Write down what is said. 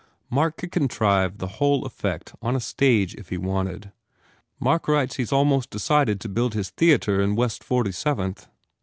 Mark could contrive the whole effect on a stage if he wanted. "Mark writes that he s almost decided to build his theatre in West Forty Seventh."